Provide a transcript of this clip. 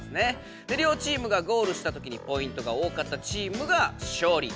両チームがゴールしたときにポイントが多かったチームが勝利！